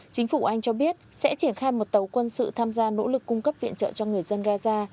chính phủ anh cho biết sẽ triển khai một tàu quân sự tham gia nỗ lực cung cấp viện trợ cho người dân gaza